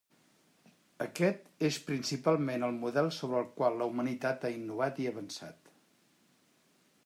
Aquest és principalment el model sobre el qual la humanitat ha innovat i avançat.